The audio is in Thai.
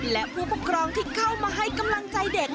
และผู้ปกครองที่เข้ามาให้กำลังใจเด็ก